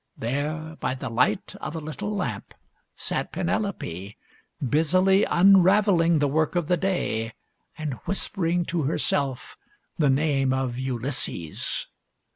There, by the light of a little lamp, sat Penelope, busily unraveling the work of the day and whispering to herself the name of Ulysses.